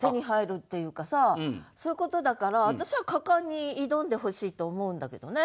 そういうことだから私は果敢に挑んでほしいと思うんだけどね。